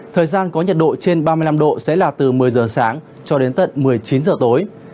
thời gian có nhiệt độ trên ba mươi năm độ sẽ là từ một mươi giờ sáng cho đến tận một mươi chín h tối